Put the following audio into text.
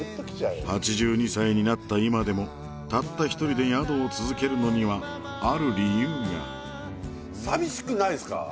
８２歳になった今でもたった一人で宿を続けるのにはある理由が寂しくないですか？